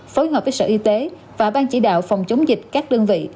phối hợp với sở y tế và ban chỉ đạo phòng chống dịch các đơn vị